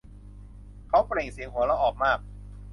เขาเปล่งเสียงหัวเราะออกมาก